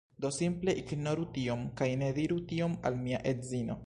Do simple ignoru tion, kaj ne diru tion al mia edzino.